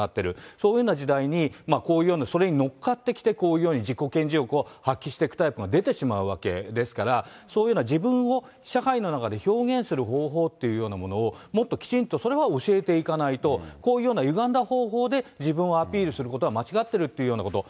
そういうような時代にこういうような、それに乗っかってきてこういうように自己顕示欲を発揮していくタイプが出てしまうわけですから、そういうような自分を社会の中で表現する方法っていうようなものを、もっときちんと、それは教えていかないと、こういうようなゆがんだ方法で自分をアピールすることは間違ってるというようなこと。